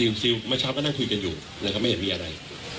เมื่อเช้าก็นั่งคุยกันอยู่นะครับไม่เห็นมีอะไร